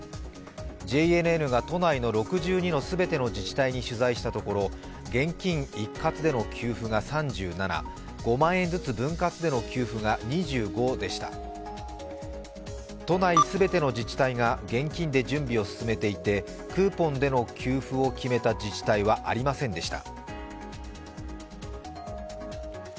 ＪＮＮが都内の６２の全ての自治体に取材したところ、現金一括での給付が３７５万円ずつ分割での給付が２５でした都内全ての自治体が現金で準備を進めていてクーポンでの給付を決めた自治体はありませんでした。